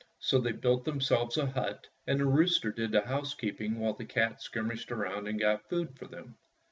So they built themselves a hut, and the rooster did the housekeeping while the cat skirmished around and got food for them.